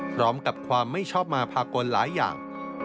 พร้อมกับความไม่ชอบมาพากลหลายอย่าง